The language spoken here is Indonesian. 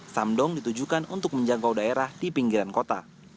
samdong ditujukan untuk menjangkau daerah di pinggiran kota